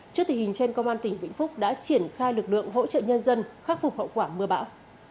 trước tình hình trên công an tỉnh vĩnh phúc đã triển khai lực lượng hỗ trợ nhân dân khắc phục hậu quả mưa bão